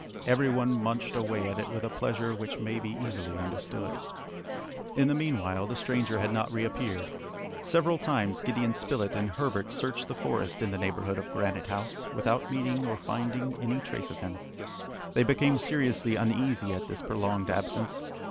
Every one munched away at it with a pleasure which may be easily understood. In the meanwhile, the stranger had not reappeared. Several times Gideon Spilett and Herbert searched the forest in the neighbourhood of Granite House, without meeting or finding any trace of him. They became seriously uneasy at this prolonged absence.